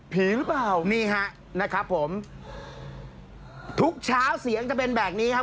หรือเปล่านี่ฮะนะครับผมทุกเช้าเสียงจะเป็นแบบนี้ครับ